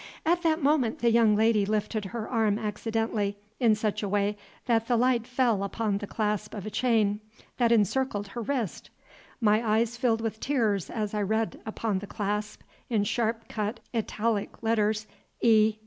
At that moment the young lady lifted her arm accidentally in such a way that the light fell upon the clasp of a chain which encircled her wrist. My eyes filled with tears as I read upon the clasp, in sharp cut Italic letters, E.